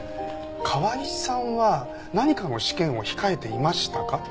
川井さんは何かの試験を控えていましたか？